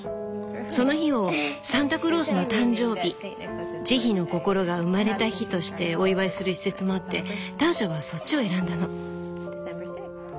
その日を「サンタクロースの誕生日」「慈悲の心が生まれた日」としてお祝いする一説もあってターシャはそっちを選んだの。